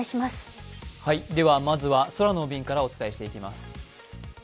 まずは空の便からお伝えしていきます。